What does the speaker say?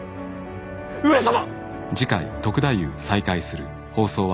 上様！